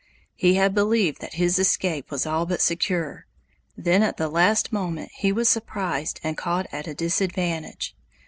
He had believed that his escape was all but secure: then at the last moment he was surprised and caught at a disadvantage.